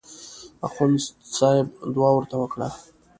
اخندصاحب دعا ورته وکړه.